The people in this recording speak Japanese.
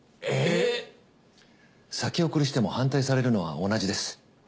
えっ！？先送りしても反対されるのは同じです。